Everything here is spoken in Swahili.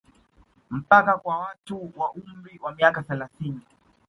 Mpaka kwa watu wa umri wa miaka thelathini